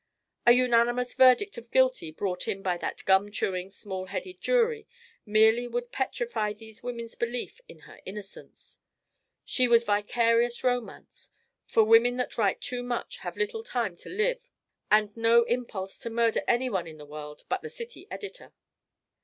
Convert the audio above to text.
A unanimous verdict of guilty brought in by that gum chewing small headed jury merely would petrify these women's belief in her innocence. She was vicarious romance; for women that write too much have little time to live and no impulse to murder any one in the world but the city editor.